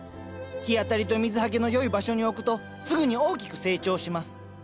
日当たりと水はけの良い場所に置くとすぐに大きく成長します。